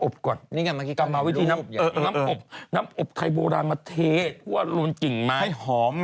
เพราะว่าลุนกิ่งไม้ให้หอม